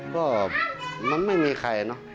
ก็มันไม่มีใครเนอะ